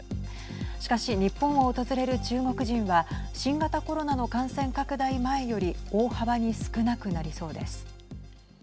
しかし、日本を訪れる中国人は新型コロナの感染拡大前より大幅に少なくなりそうです。